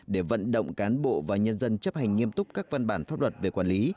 để vận động cán bộ và nhân dân chấp hành nghiêm túc các văn bản pháp luật về quản lý